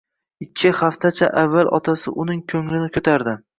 Ikki haftacha avval otasi uning ko'nglini ko'tardi.